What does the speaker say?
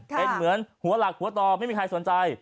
เป็นเหมือนหัวหลักหัวต่อไม่มีใครสนใจ